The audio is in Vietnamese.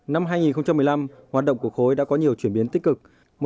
năm hai nghìn một mươi năm hoạt động của khối đã có nhiều chuyển biến tích cực